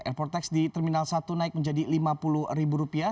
airport tax di terminal satu naik menjadi lima puluh ribu rupiah